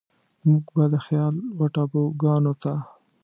موږ به د خيال و ټاپوګانوته،